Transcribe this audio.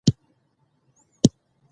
دا تخمونه زرغونیږي او لوییږي